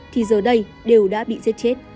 thì giờ đây đều đã bị giết chết